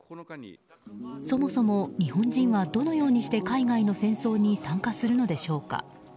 そもそも日本人はどのようにして海外の戦争に参加するのでしょうか。